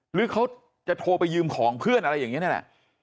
หรือเขาจะโทรไปยืมของเพื่อนอะไรอย่างนี้นี่แหละ